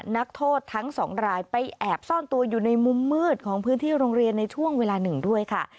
นักโทษทั้งสองรายไปแอบซ่อนตัวอยู่ในมุมมืดของพื้นที่โรงเรียนในช่วงเวลาหนึ่งด้วยค่ะ